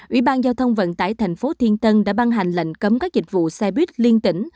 ủy ban giao thông vận tải thành phố thiên tân đã ban hành lệnh cấm các dịch vụ xe buýt liên tỉnh